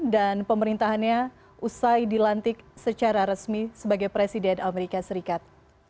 dan pemerintahannya usai dilantik secara resmi sebagai presiden amerika serikat